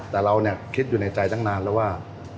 แต่เราคิดอยู่ในใจตั้งนานแล้วว่า